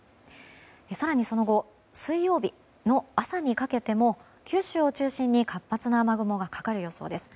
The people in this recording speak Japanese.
更にその後水曜日の朝にかけても九州を中心に活発な雨雲がかかる予想です。